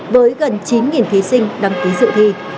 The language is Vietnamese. với gần chín thí sinh đăng ký dự thi